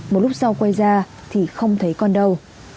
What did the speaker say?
một lúc sau quay ra thì không thấy con đâu